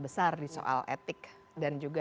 besar di soal etik dan juga